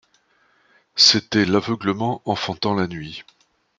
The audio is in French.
C’était l’aveuglement enfantant la nuit.